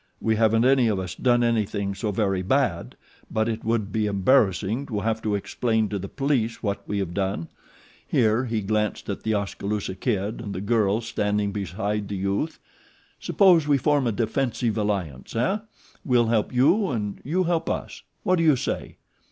We haven't any of us done anything so very bad but it would be embarrassing to have to explain to the police what we have done," here he glanced at The Oskaloosa Kid and the girl standing beside the youth. "Suppose we form a defensive alliance, eh? We'll help you and you help us. What do you say?"